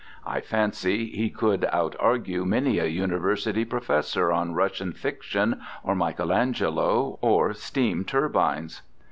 I fancy he could out argue many a university professor on Russian fiction, or Michelangelo, or steam turbines.